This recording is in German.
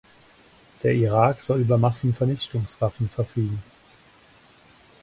Der Irak soll über Massenvernichtungswaffen verfügen.